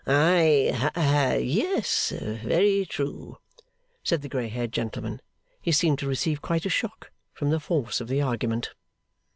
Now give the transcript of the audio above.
'I ha yes, very true,' said the grey haired gentleman. He seemed to receive quite a shock from the force of the argument.